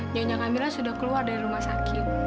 nyonya kamila sudah keluar dari rumah sakit